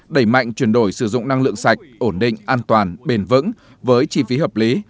đẩy mạnh chuyển đổi sử dụng năng lượng sạch ổn định an toàn bền vững với chi phí hợp lý